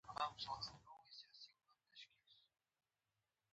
تعلیم نجونو ته د تاریخي اثارو ارزښت ور پېژني.